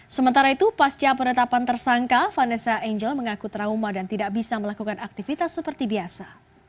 sementara itu pasca penetapan tersangka vanessa angel mengaku trauma dan tidak bisa melakukan aktivitas seperti biasa